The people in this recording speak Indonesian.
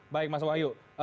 baik mas wahyu